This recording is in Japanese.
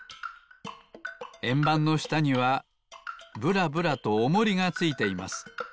えんばんのしたにはぶらぶらとおもりがついています。